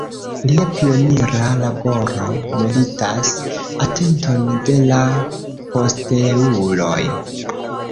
Lia pionira laboro meritas atenton de la posteuloj.